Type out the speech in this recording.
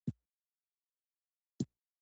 پوهانو هرې نوعې ته ځانګړی نوم ورکړ.